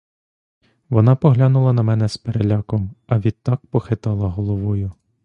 Вона поглянула на мене з переляком, а відтак похитала головою.